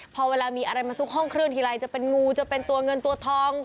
พอเวลามีอะไรมาซุกห้องเครื่องทีไรจะเป็นงูจะเป็นตัวเงินตัวทอง